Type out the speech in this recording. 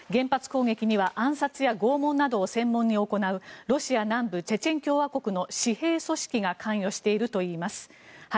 原発制圧には暗殺や拷問などを専門に行うロシア南部チェチェン共和国の私兵組織が関与しているといいます。